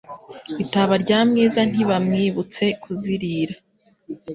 Itaba rya Mwiza ntibamwibutse kuzirira.